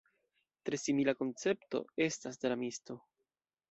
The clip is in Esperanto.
Tre simila koncepto estas dramisto.